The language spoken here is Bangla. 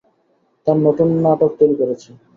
তার নতুন নাটক তৈরি করছে।